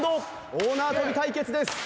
大縄跳び対決です。